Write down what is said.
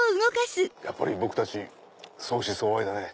「やっぱり僕たち相思相愛だね」。